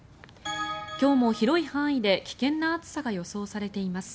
今日も広い範囲で危険な暑さが予想されています。